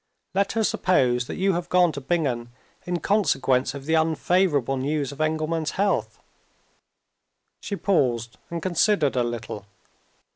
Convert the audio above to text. Let her suppose that you have gone to Bingen in consequence of the unfavorable news of Engelman's health." She paused, and considered a little.